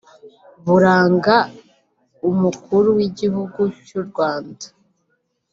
buranga umukuru w’igihugu cy’uRwanda